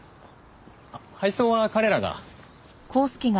あっ配送は彼らが。